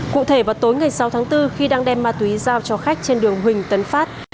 cụ thể vào tối ngày sáu tháng bốn khi đang đem ma túy giao cho khách trên đường huỳnh tấn phát